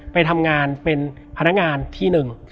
ไปทำงานเป็นพนักงานที่หนึ่ง